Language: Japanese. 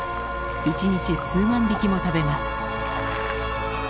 一日数万匹も食べます。